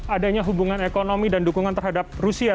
adanya hubungan ekonomi dan dukungan terhadap rusia